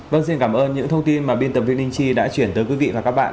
vâng xin cảm ơn những thông tin mà biên tập viên linh chi đã chuyển tới quý vị và các bạn